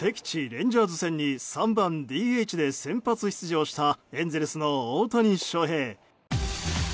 レンジャーズ戦に３番ＤＨで先発出場したエンゼルスの大谷翔平。